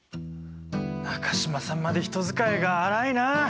中島さんまで人使いが荒いなあ。